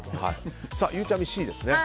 ゆうちゃみ、Ｃですね。